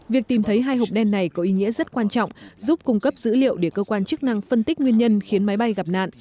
việc tìm thấy hai hộp đen này có ý nghĩa rất quan trọng giúp cung cấp dữ liệu để cơ quan chức năng phân tích nguyên nhân khiến máy bay gặp nạn